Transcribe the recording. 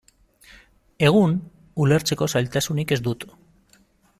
Egun, ulertzeko zailtasunik ez dut.